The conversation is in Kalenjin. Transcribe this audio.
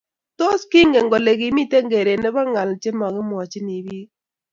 Tos, kiingen kole kimiten keret nebo ngaal chemagimwachini biik